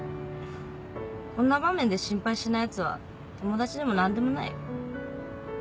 こんな場面で心配しないヤツは友達でも何でもない。